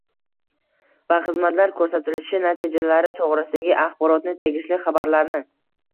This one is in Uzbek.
va xizmatlar ko‘rsatilishi natijalari to‘g‘risidagi axborotni tegishli xabarlarni